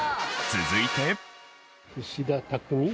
続いて。